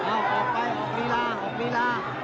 ออกไปออกรีลาออกรีลา